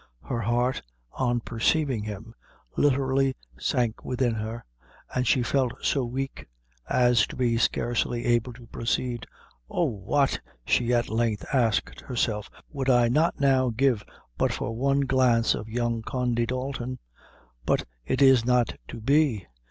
Her heart, on perceiving him, literally sank within her, and she felt so weak as to be scarcely able to proceed. "Oh! what," she at length asked herself, "would I not now give but for one glance of young Condy Dalton! But it is not to be.